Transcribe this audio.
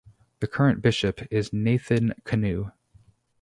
The current bishop is Nathan Kanu.